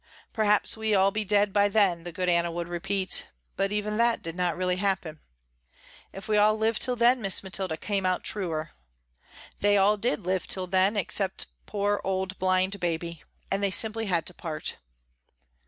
Perhaps we all be dead by then, the good Anna would repeat, but even that did not really happen. If we all live till then Miss Mathilda, came out truer. They all did live till then, all except poor old blind Baby, and they simply had to part.